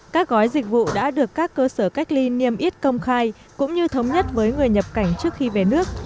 các gói dịch vụ đã được các cơ sở cách ly niêm yết công khai cũng như thống nhất với người nhập cảnh trước khi về nước